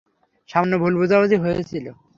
সামান্য ভুল বুঝাবুঝি হয়েছিল।